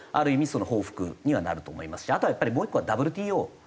その報復にはなると思いますしあとはやっぱりもう１個はＷＴＯに提訴ですね。